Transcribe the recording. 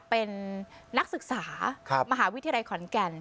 เป็นนักศึกษามหาวิทยาลัยขอนแก่น